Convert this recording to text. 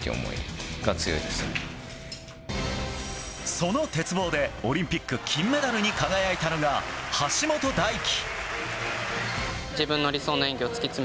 その鉄棒で、オリンピック金メダルに輝いたのが橋本大輝。